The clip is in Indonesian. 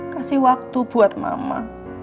kasih waktu buat mama